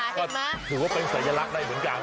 ก็ถือว่าเป็นสัญลักษณ์ได้เหมือนกัน